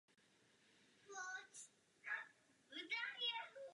Později byl dlouholetým poslancem Dolní sněmovny a působil v námořní administraci.